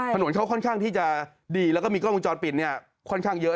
ถนนเขาค่อนข้างที่จะดีแล้วก็มีกล้องวงจรปิดเนี่ยค่อนข้างเยอะ